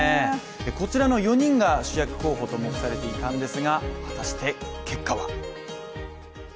こちらの４人が主役候補と目されていたんですが、果たして結果は。